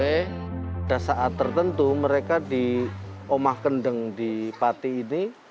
ada saat tertentu mereka di omah kendeng di pati ini